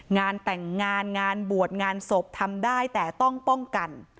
งานแต่งงานงานบวชงานศพทำได้แต่ต้องป้องกัน